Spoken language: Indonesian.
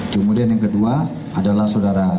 kemudian yang kedua adalah sodara kasira